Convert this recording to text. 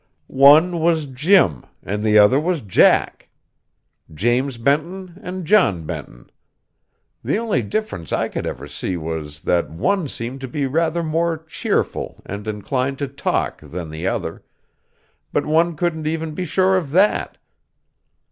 One was Jim, and the other was Jack; James Benton and John Benton. The only difference I ever could see was, that one seemed to be rather more cheerful and inclined to talk than the other; but one couldn't even be sure of that.